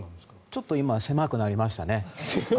ちょっと今狭くなりましたね。